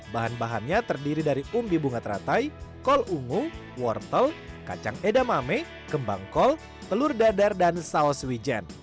bahan bahannya terdiri dari umbi bunga teratai kol ungu wortel kacang edamame kembang kol telur dadar dan saus wijen